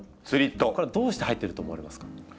これはどうして入ってると思われますか？